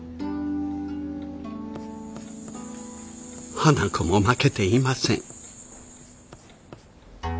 花子も負けていません。